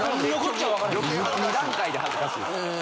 ２段階で恥ずかしい。